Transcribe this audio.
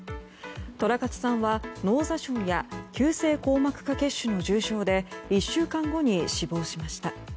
寅勝さんは脳挫傷や急性硬膜下血腫の重傷で１週間後に死亡しました。